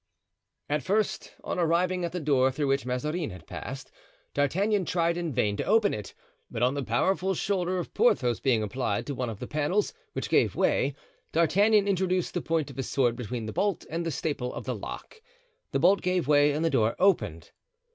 At first, on arriving at the door through which Mazarin had passed, D'Artagnan tried in vain to open it, but on the powerful shoulder of Porthos being applied to one of the panels, which gave way, D'Artagnan introduced the point of his sword between the bolt and the staple of the lock. The bolt gave way and the door opened.